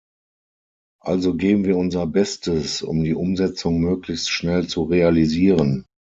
Also geben wir unser Bestes, um die Umsetzung möglichst schnell zu realisieren.